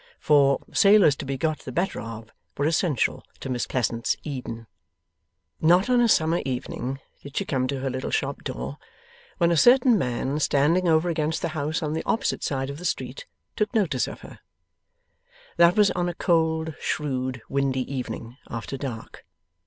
For, sailors to be got the better of, were essential to Miss Pleasant's Eden. Not on a summer evening did she come to her little shop door, when a certain man standing over against the house on the opposite side of the street took notice of her. That was on a cold shrewd windy evening, after dark.